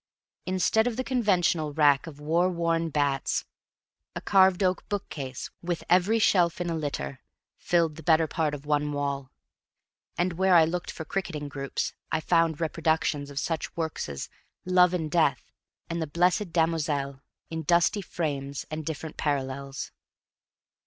Instead of the conventional rack of war worn bats, a carved oak bookcase, with every shelf in a litter, filled the better part of one wall; and where I looked for cricketing groups, I found reproductions of such works as "Love and Death" and "The Blessed Damozel," in dusty frames and different parallels.